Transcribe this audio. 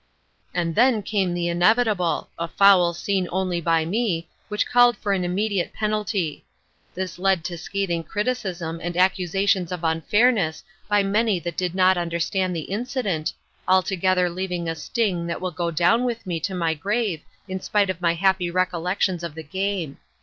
"And then came the inevitable, a foul seen only by me, which called for an immediate penalty. This led to scathing criticism and accusations of unfairness by many that did not understand the incident, altogether leaving a sting that will go down with me to my grave in spite of my happy recollections of the game.